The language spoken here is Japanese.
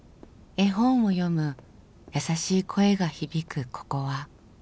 絵本を読む優しい声が響くここは。